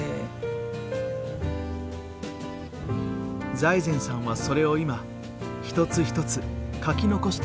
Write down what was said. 財前さんはそれを今一つ一つ書き残しています。